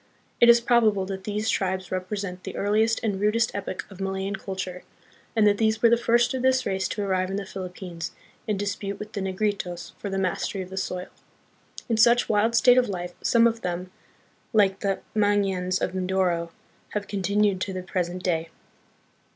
It is probable that these tribes represent the earliest and rudest epoch of Malayan culture, and that these were the first of this race to arrive in the Philippines and dispute with the Ne gritos for the mastery of the soil. In such wild state of life, some of them, like the Mangyans of Mindoro, have continued to the present day.